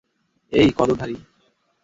এই, কদক ধারি!